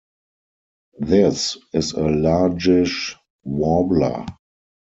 This is a largish warbler.